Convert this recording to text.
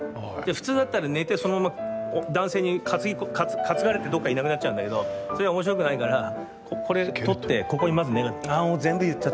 普通だったら寝てそのまま男性に担がれてどっかいなくなっちゃうんだけどそれじゃ、おもしろくないからこれ取って、ここにまず寝るの。